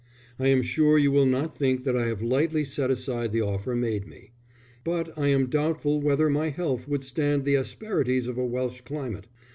I am sure you will not think that I have lightly set aside the offer made me; but I am doubtful whether my health would stand the asperities of a Welsh climate.